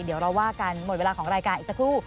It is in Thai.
เดี๋ยวเราว่ากันหมดเวลาของรายการอีกสักครู่